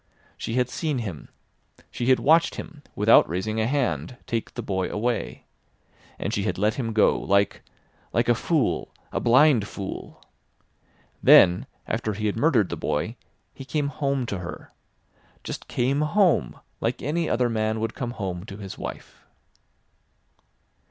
She had seen him. She had watched him, without raising a hand, take the boy away. And she had let him go, like—like a fool—a blind fool. Then after he had murdered the boy he came home to her. Just came home like any other man would come home to his wife.